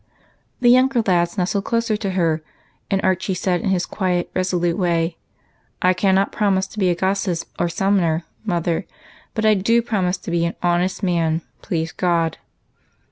The younger lads nestled closer to her, and Archie said, in his quiet, resolute way, — "I cannot promise to be an Agassiz or a*Sumner, mother ; but I do promise to be an honest man, please God."